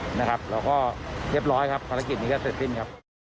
เราก็เรียบร้อยครับพลักษณะนี้แค่เซ็ดสิ้นครับ